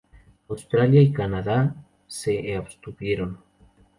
Australia y Canadá se abstuvieron.